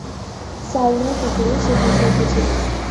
সালনার পুকুরে সে ভেসে উঠেছিল।